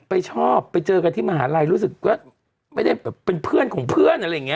ชอบไปเจอกันที่มหาลัยรู้สึกว่าไม่ได้แบบเป็นเพื่อนของเพื่อนอะไรอย่างนี้